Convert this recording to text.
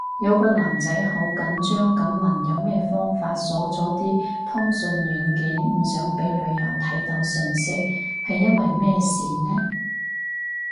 有個男仔好緊張噉問有咩方法鎖咗啲通訊軟件，唔想俾女友睇到訊息，係因為咩事呢？